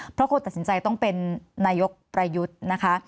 เพราะคนตัดสินใจต้องเป็นนายกประยุทธ์นะคะ